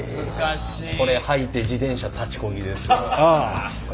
これはいて自転車立ちこぎですよ。